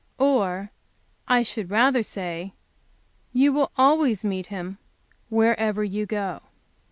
Or, I should rather say, you will always meet Him wherever you go."